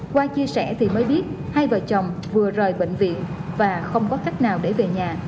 qua chia sẻ thì mới biết hai vợ chồng vừa rời bệnh viện và không có cách nào để về nhà